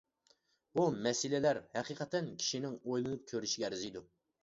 بۇ مەسىلىلەر ھەقىقەتەن كىشىنىڭ ئويلىنىپ كۆرۈشىگە ئەرزىيدۇ.